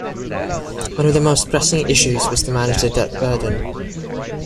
One of the most pressing issues was to manage the debt burden.